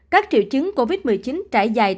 các triệu chứng covid một mươi chín trải dài